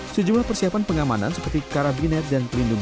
sejumlah persiapan pengamanan seperti karabinet dan pelindungan